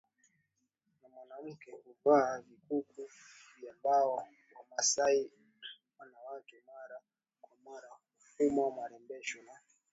na wanawake huvaa vikuku vya mbao Wamasai wanawake mara kwa mara hufuma marembesho na